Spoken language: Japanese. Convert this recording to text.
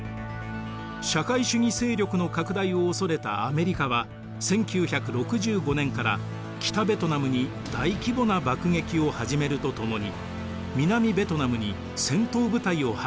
社会主義勢力の拡大を恐れたアメリカは１９６５年から北ベトナムに大規模な爆撃を始めるとともに南ベトナムに戦闘部隊を派遣します。